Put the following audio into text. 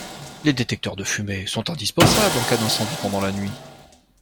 Les détecteurs de fumée sont indispensables en cas d'incendie pendant la nuit.